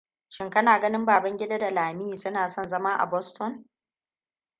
Shin kana ganin Babangida da Lami suna son zama a Boston?